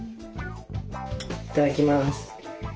いただきます。